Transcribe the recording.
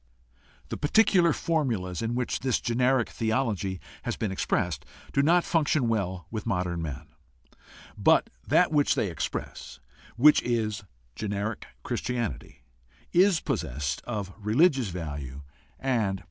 The particular formulas in which this generic theology has been expressed do not function well with modern men, but that which they express — which is generic Christianity — is possessed of religious value and power.